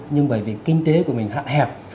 nhưng bởi vì kinh tế của mình hạn hẹp